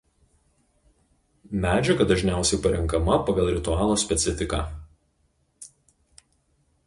Medžiaga dažniausiai parenkama pagal ritualo specifiką.